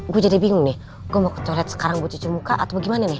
gue jadi bingung nih gue mau kecoret sekarang gue cuci muka atau bagaimana nih